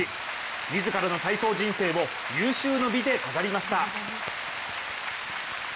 自らの体操人生を有終の美で飾りました。